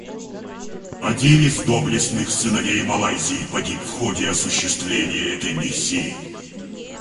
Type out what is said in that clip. Один из доблестных сыновей Малайзии погиб в ходе осуществления этой миссии.